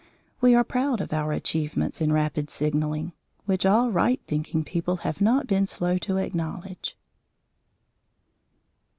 We are proud of our achievements in rapid signalling, which all right thinking people have not been slow to acknowledge.